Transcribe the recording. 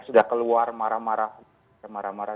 sudah keluar marah marah